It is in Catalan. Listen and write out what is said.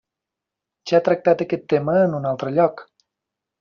Ja he tractat aquest tema en un altre lloc.